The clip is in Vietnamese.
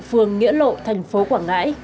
phường nghĩa lộ thành phố quảng ngãi